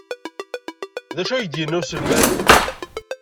D acu ay ak-d-yenna uselmad?